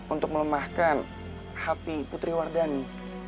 untuk melemahkan hati putriwardhani